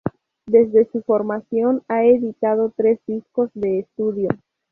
Desde su formación han editado tres discos de estudio.